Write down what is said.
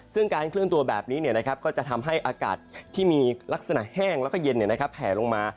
ซึ่งการเคลื่อนตัวแบบนี้ก็จะทำให้อากาศที่มีลักษณะแห้งแล้วก็เย็นแผ่ลงมา